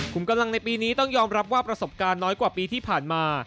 กำลังในปีนี้ต้องยอมรับว่าประสบการณ์น้อยกว่าปีที่ผ่านมา